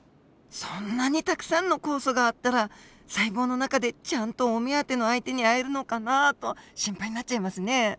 そんなにたくさんの酵素があったら細胞の中でちゃんとお目当ての相手に会えるのかなと心配になっちゃいますね。